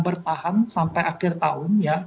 bertahan sampai akhir tahun